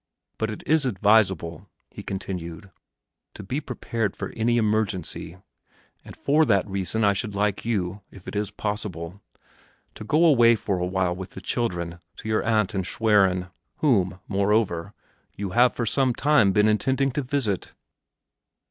But it is advisable," he continued, "to be prepared for any emergency, and for that reason I should like you, if it is possible, to go away for a while with the children to your aunt in Schwerin, whom, moreover, you have, for some time, been intending to visit!"